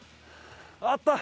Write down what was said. あった！